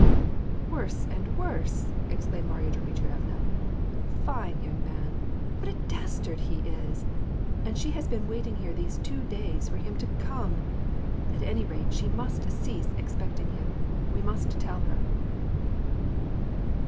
" Woree and worse !" exclaimed Marya Dmitrie vna. " Fine young man ! What a dastard he is ! And she has been wait ing here these two days for him to come ! At any rate, she must cease expecting him ; we must tell her."